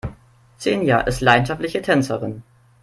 Xenia ist leidenschaftliche Tänzerin.